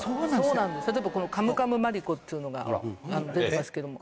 例えば、このカムカムマリコっていうのが出てますけども。